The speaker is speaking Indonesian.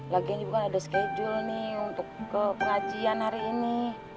lagian ibu ada schedule nih untuk ke pengajian hari ini